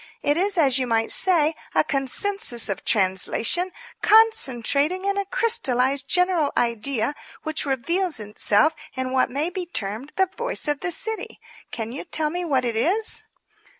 It is, as you might say, a consensus of translation, concentrating in a crystallized, general idea which reveals itself in what may be termed the Voice of the City. Can you tell me what it is?"